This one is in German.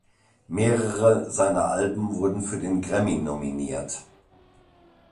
Mehrere seiner Alben wurden für den Grammy nominiert.